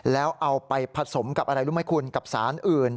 แล้วเอาไปผสมกับอะไรรู้ไหมคุณกับสารอื่น